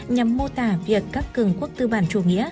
nhằm mô tả việc các cường quốc tư bản chủ nghĩa